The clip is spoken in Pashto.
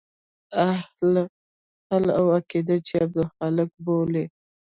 اهل حل و عقد چې عبدالحق يې بولي.